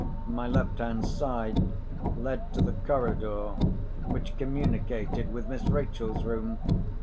My left hand side led to the corridor which communicated with Miss Rachel's room.